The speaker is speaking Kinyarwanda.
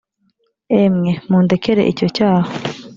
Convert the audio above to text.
Emwe mundekere icyo cyaha